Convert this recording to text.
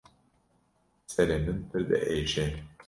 Serê min pir diêşe.